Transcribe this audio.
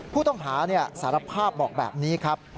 ผู้ต้องหาสารภาพบอกแบบนี้ครับ